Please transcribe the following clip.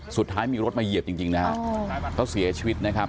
สุดท้ายมีรถมาเหยียบจริงนะฮะเขาเสียชีวิตนะครับ